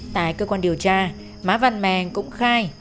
tại cơ quan điều tra má văn mèng cũng khai